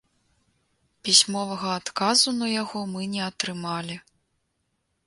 Пісьмовага адказу на яго мы не атрымалі.